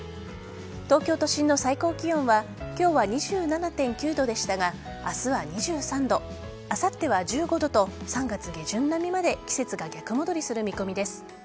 東京都心の最高気温は今日は２７．９度でしたが明日は２３度あさっては１５度と３月下旬並みまで季節が逆戻りする見込みです。